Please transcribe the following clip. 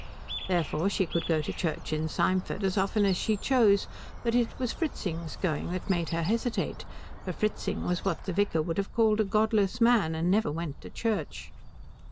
Therefore she could go to church in Symford as often as she chose; but it was Fritzing's going that made her hesitate, for Fritzing was what the vicar would have called a godless man, and never went to church.